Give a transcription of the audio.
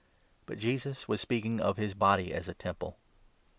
" But Jesus was speaking of his body as a temple.